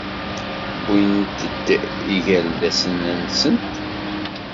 Wwint-d igerdasen-nsent.